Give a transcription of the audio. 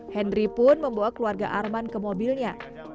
henry pun membawa keluarga arman ke mobilnya